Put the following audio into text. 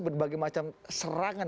berbagai macam serangan